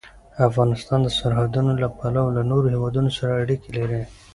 افغانستان د سرحدونه له پلوه له نورو هېوادونو سره اړیکې لري.